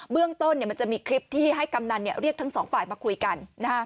เรื่องต้นมันจะมีคลิปที่ให้กำนันเรียกทั้งสองฝ่ายมาคุยกัน